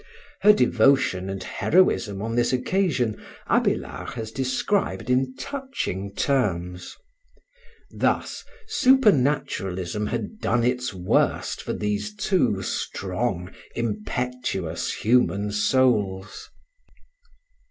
Her devotion and heroism on this occasion Abélard has described in touching terms. Thus supernaturalism had done its worst for these two strong, impetuous human souls.